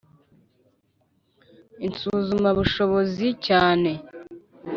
insuzumabushobozi cyane